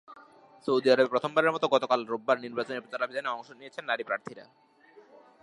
Saudi আরবে প্রথমবারের মতো গতকাল রোববার নির্বাচনী প্রচারাভিযানে অংশ নিয়েছেন নারী প্রার্থীরা।